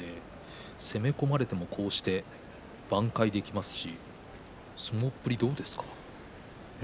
攻め込まれても挽回できますし相撲っぷりはどうですか？